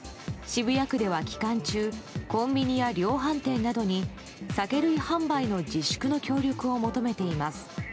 渋谷区では期間中コンビニや量販店などに酒類販売の自粛の協力を求めています。